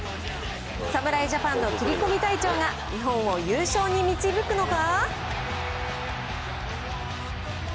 侍ジャパンの斬り込み隊長が、日本を優勝に導くのか。